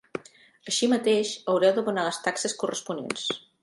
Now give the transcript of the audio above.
Així mateix, haureu d'abonar les taxes corresponents.